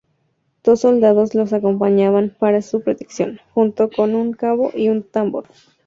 Dos soldados los acompañaban para su protección, junto con un cabo y un tambor.